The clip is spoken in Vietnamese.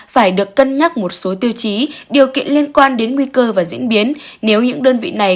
phải được cân nhắc một số tiêu chí điều kiện liên quan đến nguy cơ và diễn biến nếu những đơn vị này